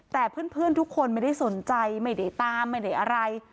แต่เพื่อนทุกคนไม่ได้สนใจไม่ได้ตามไม่ได้อะไร